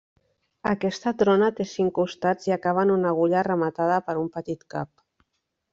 Aquesta trona té cinc costats i acaba en una agulla rematada per un petit cap.